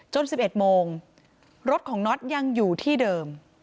จนสิบเอ็ดโมงรถของน็อตยังอยู่ที่เดิม